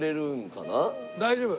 大丈夫。